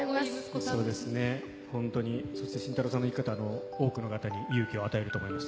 晋太朗さんの生き方は多くの方に勇気を与えると思います。